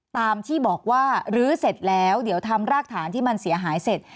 ตามที่บอกว่าลื้อเสร็จแล้วเดี๋ยวทำรากฐานที่มันเสียหายเสร็จ